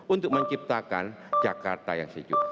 untuk menciptakan jakarta yang sejuk